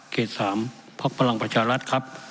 เกษตร๓พรรคพลังประชารัฐครับ